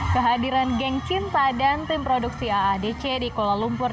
kehadiran geng cinta dan tim produksi aadc di kuala lumpur